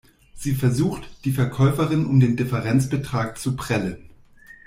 Sie versucht, die Verkäuferin um den Differenzbetrag zu prellen.